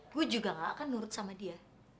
gue juga gak akan nurut sama dia